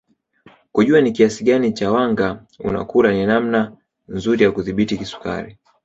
Kujua ni kiasi gani cha wanga unakula ni namna nzuri ya kudhibiti kisukari